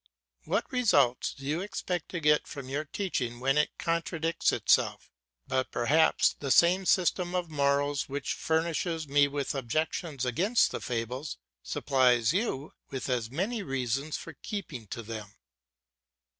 What results do you expect to get from your teaching when it contradicts itself! But perhaps the same system of morals which furnishes me with objections against the fables supplies you with as many reasons for keeping to them.